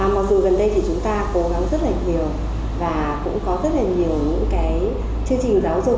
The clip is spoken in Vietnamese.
mặc dù gần đây thì chúng ta cố gắng rất là nhiều và cũng có rất là nhiều những cái chương trình giáo dục